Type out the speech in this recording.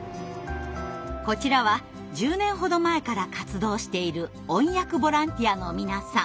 こちらは１０年ほど前から活動している音訳ボランティアの皆さん。